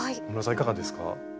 いかがですか？